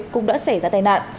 cũng đã xảy ra tai nạn